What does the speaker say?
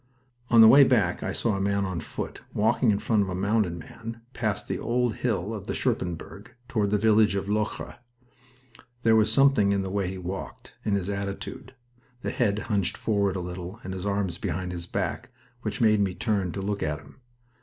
On the way back I saw a man on foot, walking in front of a mounted man, past the old hill of the Scherpenberg, toward the village of Locre. There was something in the way he walked, in his attitude the head hunched forward a little, and his arms behind his back which made me turn to look at him.